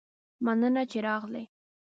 مننه چې راغلي